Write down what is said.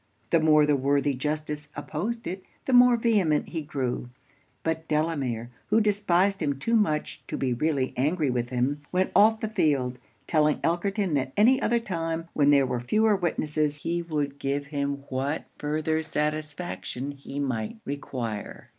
The more the worthy justice opposed it, the more vehement he grew: but Delamere, who despised him too much to be really angry with him, went off the field, telling Elkerton that any other time, when there were fewer witnesses, he would give him what further satisfaction he might require.